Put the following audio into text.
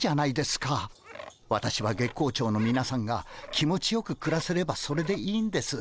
私は月光町のみなさんが気持ちよくくらせればそれでいいんです。